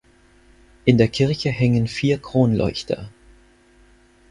In der Kirche hängen vier Kronleuchter.